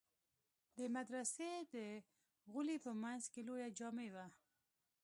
د مدرسې د غولي په منځ کښې لويه جامع وه.